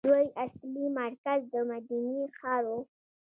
دوی اصلي مرکز د مدینې ښار وو.